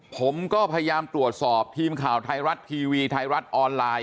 ผมก็พยายามตรวจสอบทีมข่าวไทยรัฐทีวีไทยรัฐออนไลน์